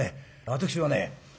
私はね